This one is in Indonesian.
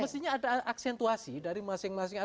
mestinya ada aksentuasi dari masing masing